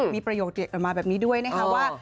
มีประโยคเด็ดออกมาแบบนี้ด้วยนะคะว่า